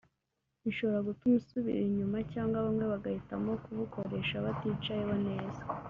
bishobora gutuma usubira inyuma cyangwa bamwe bagahitamo kubukoresha baticayeho neza